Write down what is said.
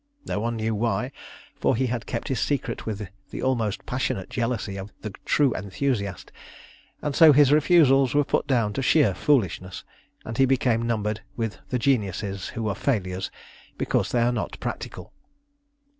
No one knew why, for he had kept his secret with the almost passionate jealousy of the true enthusiast, and so his refusals were put down to sheer foolishness, and he became numbered with the geniuses who are failures because they are not practical.